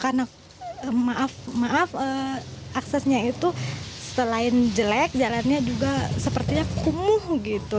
karena maaf maaf aksesnya itu setelah jelek jalannya juga sepertinya kumuh gitu